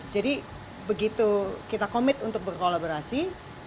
jadi begitu kita commit untuk berkolaborasi